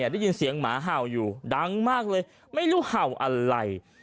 ได้ยินเสียงหมาเห่าอยู่ดังมากเลยไม่รู้เห่าอะไร